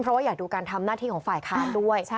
เพราะว่าอยากดูการทำหน้าที่ของฝ่ายค้านด้วย